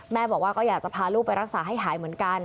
บอกว่าก็อยากจะพาลูกไปรักษาให้หายเหมือนกัน